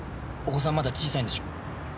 お子さんまだ小さいんでしょ？